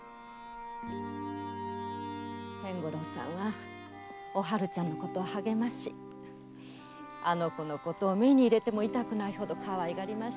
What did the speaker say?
千五郎さんはおはるちゃんを励ましあの子のことは目に入れても痛くないほどかわいがって。